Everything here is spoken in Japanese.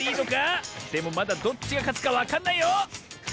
でもまだどっちがかつかわかんないよ！